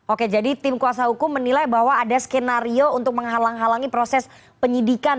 oke jadi tim kuasa hukum menilai bahwa ada skenario untuk menghalang halangi proses penyidikan